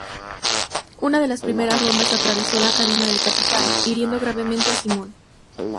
Una de las primeras rondas atravesó la cabina del capitán, hiriendo gravemente a Simon.